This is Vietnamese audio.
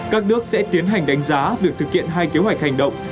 các nước sẽ tiến hành đánh giá việc thực hiện hai kế hoạch hành động